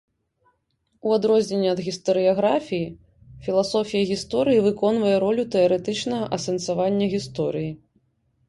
У адрозненне ад гістарыяграфіі, філасофія гісторыі выконвае ролю тэарэтычнага асэнсавання гісторыі.